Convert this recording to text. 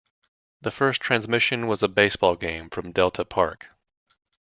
The first transmission was a baseball game from Delta Park.